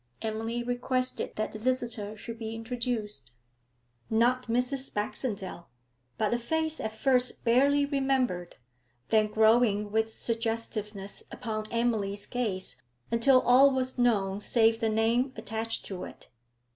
Emily requested that the visitor should be introduced. Not Mrs. Baxendale, but a face at first barely remembered, then growing with suggestiveness upon Emily's gaze until all was known save the name attached to it.